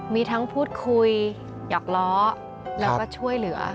มีทั้งพูดคุยหยอกล้อแล้วก็ช่วยเหลือ